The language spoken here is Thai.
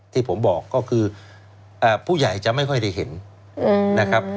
ที่ผมบอกก็คือผู้ใหญ่จะไม่ค่อยได้เห็นนะครับ